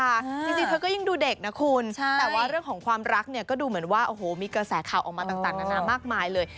จริงเธอก็ยังดูเด็กนะคุณแต่ว่าเรื่องของความรักเนี่ยก็ดูเหมือนว่าโอ้โหมีกระแสข่าวออกมาต่างนานามากมายเลย